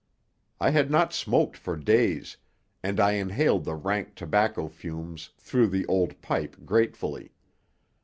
I had not smoked for days, and I inhaled the rank tobacco fumes through the old pipe gratefully.